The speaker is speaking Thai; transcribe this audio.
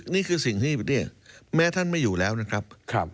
นี่คือสิ่งที่แม้ท่านไม่อยู่แล้วนะครับ